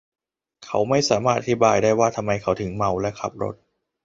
เขาไม่สามารถอธิบายได้ว่าทำไมเขาถึงเมาและขับรถ